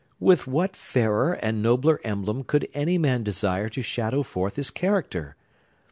With what fairer and nobler emblem could any man desire to shadow forth his character?